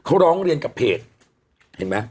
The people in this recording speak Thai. เค้าร้องเรียนกับเพจ